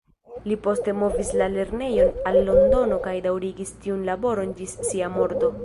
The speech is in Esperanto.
Li poste movis la lernejon al Londono kaj daŭrigis tiun laboron ĝis sia morto.